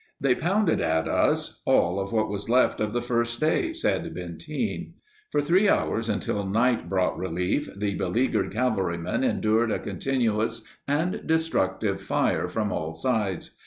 "They pounded at us all of what was left of the first day," said Benteen. For three hours, until night brought relief, the beleagured cavalrymen endured a continuous and destructive fire from all sides.